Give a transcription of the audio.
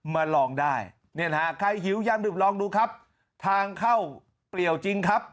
มาลองได้เนี่ยนะฮะใครหิวยามดื่มลองดูครับทางเข้าเปรียวจริงครับ